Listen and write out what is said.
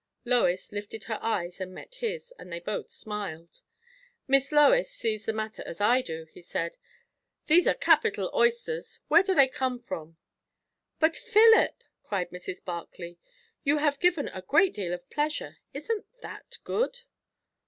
Lois lifted her eyes and met his, and they both smiled. "Miss Lois sees the matter as I do," he said. "These are capital oysters. Where do they come from?" "But, Philip," said Mrs. Barclay, "you have given a great deal of pleasure. Isn't that good?"